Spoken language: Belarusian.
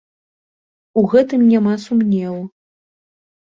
У гэтым няма сумневу.